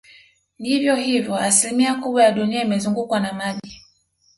Ndivyo hivyo asilimia kubwa ya dunia imezungukwa na maji